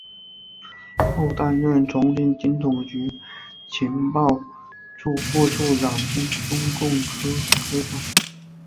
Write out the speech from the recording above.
后担任重庆军统局情报处副处长兼中共科科长。